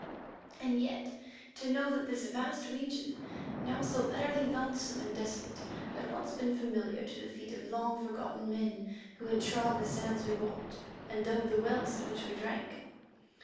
And yet to know that this vast region, now so utterly lonesome and desolate, had once been familiar to the feet of long forgotten men who had trod the sands we walked, and dug the wells at which we drank.